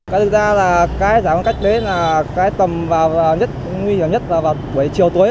cái thực ra là cái giải phân cách đấy là cái tầm nguy hiểm nhất là vào buổi chiều tối